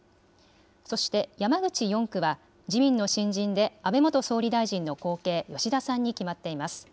そして山口４区は自民の新人で安倍元総理大臣の後継、吉田さんに決まっています。